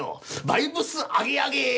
バイブスあげあげ！